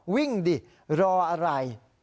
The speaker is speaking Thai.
วิ่งดิรออะไร